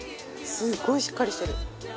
すごいしっかりしてる！